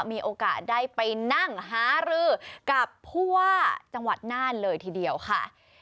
มีโอกาสได้ไปนั่งหารือกับผู้ว่าจังหวัดน่านเลยทีเดียวค่ะ